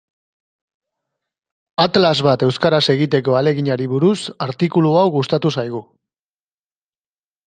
Atlas bat euskaraz egiteko ahaleginari buruz artikulu hau gustatu zaigu.